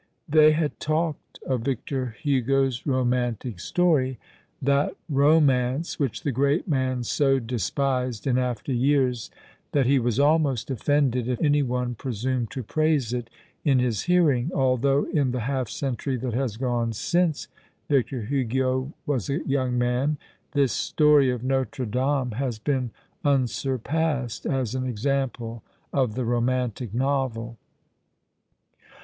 They had talked of Victor Hugo's romantic story — that romance which the great man so despised in after years that he was almost offended if any one presumed to praise it in his hearing, although in the half century that has gone since Victor Hugo was a young man this story of Notre Dame lias been unsurpassed as an example of the romantic novel.